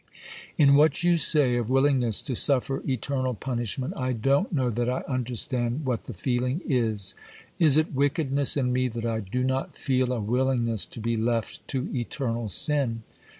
'In what you say of willingness to suffer eternal punishment, I don't know that I understand what the feeling is. Is it wickedness in me that I do not feel a willingness to be left to eternal sin?